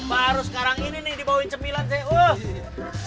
baru sekarang ini nih dibawain cemilan saya bilang